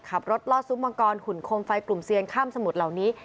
ล่อซุ้มมังกรหุ่นโคมไฟกลุ่มเซียนข้ามสมุทรเหล่านี้